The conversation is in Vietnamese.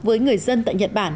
với người dân tại nhật bản